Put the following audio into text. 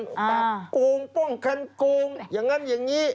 ปรับโกงป้องกันโกงอย่างนั้นอย่างนี้